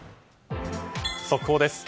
速報です。